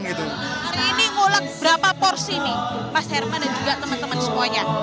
ini ngulek berapa porsi nih mas herman dan juga teman teman semuanya